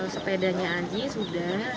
sepedanya aji sudah